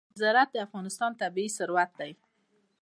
زراعت د افغانستان طبعي ثروت دی.